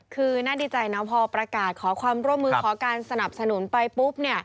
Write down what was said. คือน่าดีใจนะพอประกาศขอความร่วมมือขอการสนับสนุนไปปุ๊บ